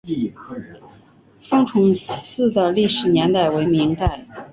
封崇寺的历史年代为明代。